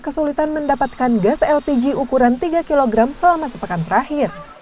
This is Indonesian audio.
kesulitan mendapatkan gas lpg ukuran tiga kg selama sepekan terakhir